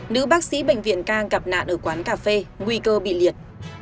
nữ bác sĩ bệnh viện ca gặp nạn ở quán cà phê nguy cơ bị liệt